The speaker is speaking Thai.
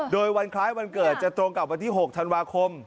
โดยวันคล้ายวันเกิดจะตรงกับวันที่๖ธันวาคม